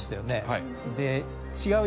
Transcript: はい。